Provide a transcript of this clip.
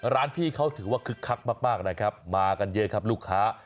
ร้านพี่เขาถือว่าคึกคักมากนะครับมากันเยอะครับลูกค้า